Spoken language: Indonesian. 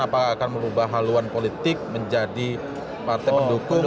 apakah akan merubah haluan politik menjadi partai pendukung